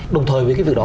đồng thời với cái việc đó